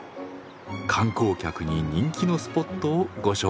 観光客に人気のスポットをご紹介します。